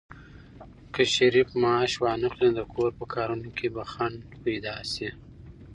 که شریف معاش وانخلي، نو د کور په کارونو کې به خنډ پيدا شي.